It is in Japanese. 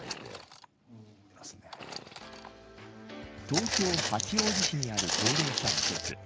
東京、八王子市にある高齢者施設。